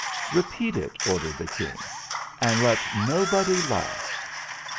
"Repeat it," ordered the King, "and let no body laugh."